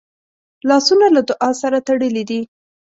لاسونه له دعا سره تړلي دي